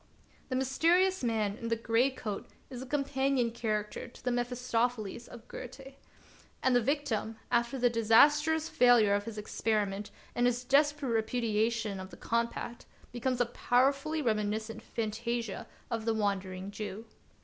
The mysterious man in the gray coat is a companion character to the Mephistopheles of Goethe. And the victim, after the disastrous failure of his experiment and his desperate repudiation of the compact, becomes a powerfully reminiscent fa7ttasia of the Wandering Jew.